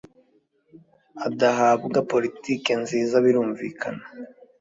adahabwa politiki nziza birumvikana